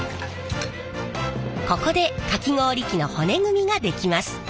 ここでかき氷機の骨組みができます。